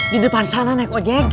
di depan sana naik ojek